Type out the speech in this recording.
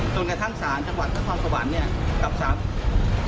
จนกระทั่งศาลจังหวัดนครสวรรค์เนี่ยกับสาร